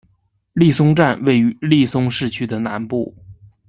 利松站位于利松市区的南部。